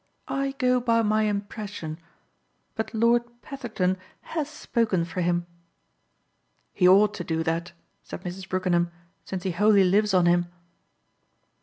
"I go by my impression. But Lord Petherton HAS spoken for him." "He ought to do that," said Mrs. Brookenham "since he wholly lives on him."